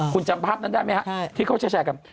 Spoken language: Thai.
คุณจำภาพนั้นได้ไหมครับที่เขาแชร์กัน